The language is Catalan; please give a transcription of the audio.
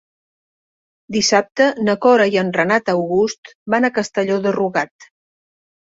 Dissabte na Cora i en Renat August van a Castelló de Rugat.